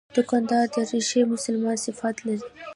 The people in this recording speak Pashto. دوکاندار د رښتیني مسلمان صفات لري.